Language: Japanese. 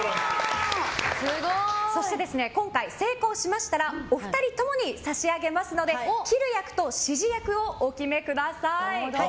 そして今回、成功しましたらお二人ともに差し上げますので切る役と指示役をお決めください。